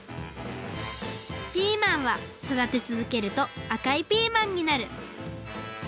ピーマンはそだてつづけるとあかいピーマンになる！